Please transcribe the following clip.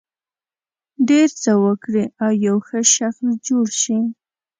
ډېر څه وکړي او یو ښه شخص جوړ شي.